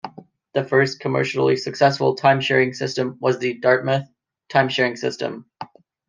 The first commercially successful time-sharing system was the Dartmouth Time Sharing System.